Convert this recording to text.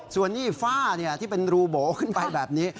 ส่วนนี่ฝ้าที่เป็นรูโบขึ้นไปแบบนี้